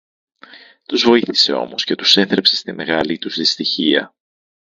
Τους βοήθησε όμως και τους έθρεψε στη μεγάλη τους δυστυχία